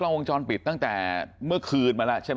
วงจรปิดตั้งแต่เมื่อคืนมาแล้วใช่ไหม